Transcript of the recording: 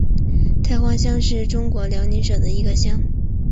大荒乡是中国辽宁省盘锦市盘山县下辖的一个乡。